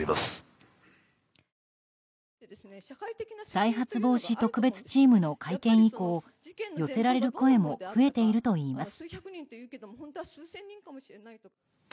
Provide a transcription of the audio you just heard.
再発防止特別チームの会見以降寄せられる声も増えているといいます。